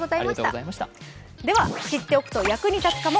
知っておくと役に立つかも。